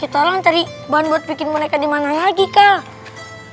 kita lang cari bahan buat bikin boneka dimana lagi kak